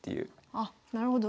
あっなるほど。